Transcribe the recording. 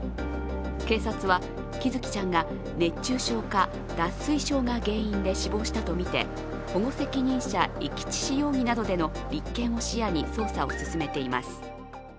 警察は、喜寿生ちゃんが熱中症か脱水症が原因で死亡したとみて保護責任者遺棄致死容疑などでの立件を視野に捜査を進めています。